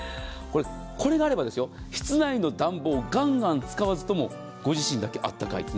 これがあれば室内の暖房ガンガン使わずともご自身だけあったかいという。